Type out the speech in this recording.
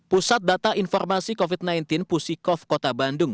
pusat data informasi covid sembilan belas pusikov kota bandung